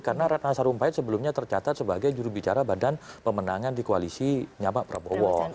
karena rata sarumpait sebelumnya tercatat sebagai jurubicara badan pemenangan di koalisi nyabak prabowo